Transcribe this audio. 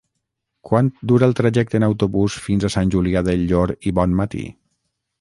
Quant dura el trajecte en autobús fins a Sant Julià del Llor i Bonmatí?